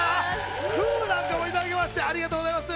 ふーなんていうのも頂きまして、ありがとうございます。